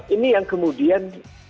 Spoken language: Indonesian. ini yang kemudian